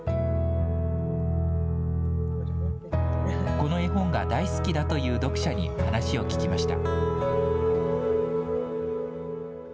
この絵本が大好きだという読者に話を聞きました。